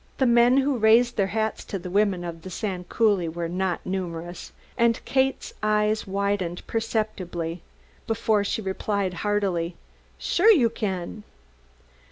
The men who raised their hats to the women of the Sand Coulee were not numerous, and Kate's eyes widened perceptibly before she replied heartily, "Sure you can."